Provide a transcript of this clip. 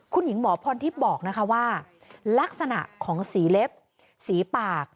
คุณหญิงหมอพรทิพย์บอกนะคะว่าลักษณะของสีเล็บสีปาก